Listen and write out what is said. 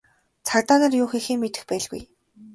Цагдаа нар юу хийхээ мэдэх байлгүй.